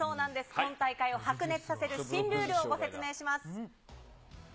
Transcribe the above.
今大会を白熱させる新ルールをご説明します。